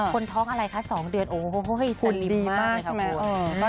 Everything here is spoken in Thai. คนท้องอะไรคะ๒เดือนโอ้โฮใสลิมมากเลยครับคุณ